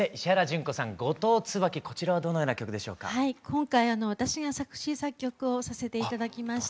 今回私が作詞作曲をさせて頂きまして。